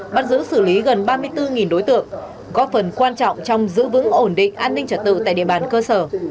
bắt giữ xử lý gần ba mươi bốn đối tượng góp phần quan trọng trong giữ vững ổn định an ninh trật tự tại địa bàn cơ sở